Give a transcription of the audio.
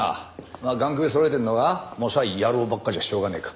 まあ雁首そろえてんのがもさい野郎ばっかじゃしょうがねえか。